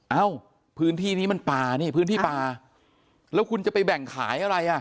เอ้าพื้นที่นี้มันป่านี่พื้นที่ป่าแล้วคุณจะไปแบ่งขายอะไรอ่ะ